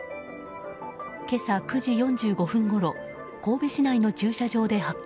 今朝９時４５分ごろ神戸市内の駐車場で発見。